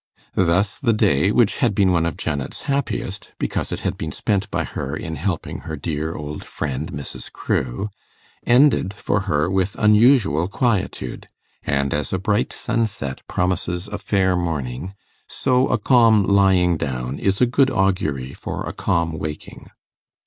Thus the day, which had been one of Janet's happiest, because it had been spent by her in helping her dear old friend Mrs. Crewe, ended for her with unusual quietude; and as a bright sunset promises a fair morning, so a calm lying down is a good augury for a calm waking.